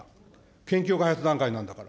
研究開発段階なんだから。